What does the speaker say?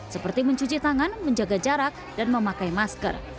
seperti mencuci tangan menjaga jarak dan memakai masker